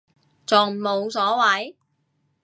仲冇所謂